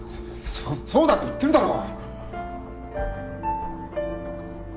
そうだと言ってるだろ！